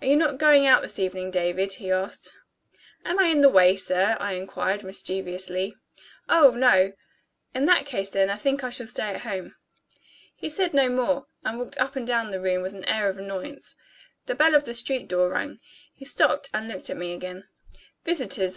"Are you not going out this evening, David?" he asked. "Am I in the way, sir?" I inquired mischievously. "Oh, no!" "In that case then, I think I shall stay at home." He said no more, and walked up and down the room with an air of annoyance. The bell of the street door rang. He stopped and looked at me again. "Visitors?"